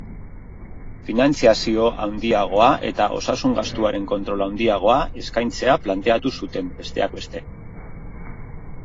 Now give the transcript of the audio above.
Finantziazio handiagoa eta osasun gastuaren kontrol handiagoa eskaintzea planteatu zuten, besteak beste.